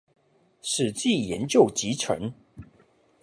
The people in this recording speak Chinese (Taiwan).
史記研究集成